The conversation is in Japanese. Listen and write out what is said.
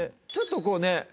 ちょっとこうね